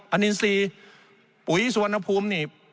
อันนี้อินซีปุ๋ยสุวรรณภูมินี่